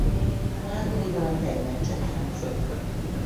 Három év alatt egy meccset játszott.